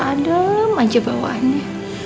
adem aja bawaannya